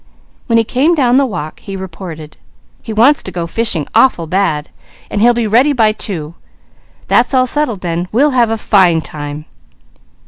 When he came down the walk he reported: "He wants to go fishing awful bad, and he'll be ready by two. That's all settled then. We'll have a fine time."